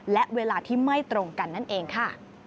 และเวลาที่ไม่ตรงกันนั่นเองค่ะ